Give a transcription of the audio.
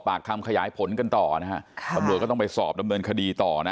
ปากคำขยายผลกันต่อนะฮะค่ะตำรวจก็ต้องไปสอบดำเนินคดีต่อนะ